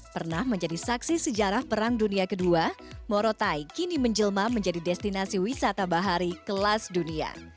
pernah menjadi saksi sejarah perang dunia ii morotai kini menjelma menjadi destinasi wisata bahari kelas dunia